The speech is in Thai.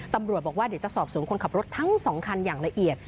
ตำรวจบอกว่าเดี๋ยวจะสอบสวนคนขับรถทั้ง๒คันอย่างละเอียด